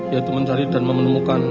yaitu mencari dan menemukan